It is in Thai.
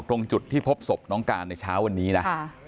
ตรงจุดที่พบศพน้องการในเช้าวันนี้นะ